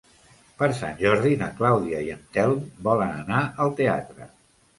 Per Sant Jordi na Clàudia i en Telm volen anar al teatre.